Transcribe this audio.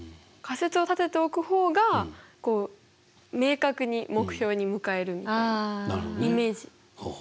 仮説を立てておく方がこう明確に目標に向かえるみたいなイメージ。